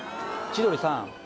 千鳥さん